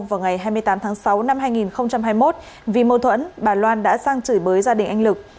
vào ngày hai mươi tám tháng sáu năm hai nghìn hai mươi một vì mâu thuẫn bà loan đã sang chửi bới gia đình anh lực